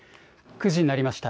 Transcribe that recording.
９時になりました。